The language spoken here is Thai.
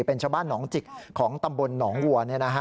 เป็นชาวบ้านหนองจิกของตำบลหนองวัว